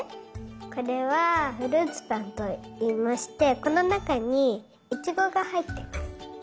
これはフルーツぱんといいましてこのなかにいちごがはいってます。